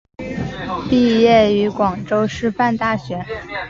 毕业于广州师范大学。